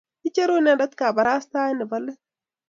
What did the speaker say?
Icheru inendet kabarastaet nebo let